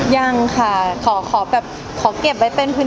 ยังค่ะขอเห็นที่ส่วนตัวนิดหนึ่งอะไรอย่างเนี้ย